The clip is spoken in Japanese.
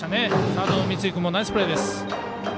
サード、三井君もナイスプレーです。